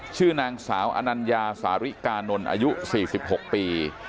ชื่อนางสาวอนัญญาสาริกานนท์อายุ๔๖ปี